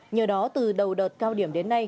nhờ đó từ đầu đợt cao điểm đến nay